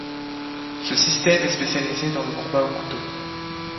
Ce système est spécialisé dans le combat au couteau..